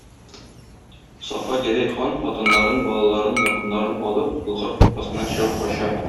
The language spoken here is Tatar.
Сафа Гәрәй хан хатыннарын, балаларын, якыннарын алып Болгар капкасыннан чыгып кача.